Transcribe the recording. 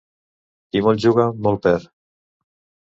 Qui molt juga, molt perd.